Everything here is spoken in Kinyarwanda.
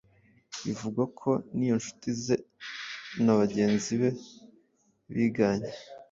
Bivugwa ko n’iyo inshuti ze na bagenzi be biganye